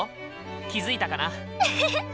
気付いたかな？